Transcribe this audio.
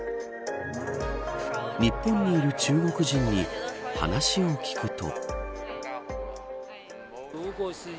日本にいる中国人に話を聞くと。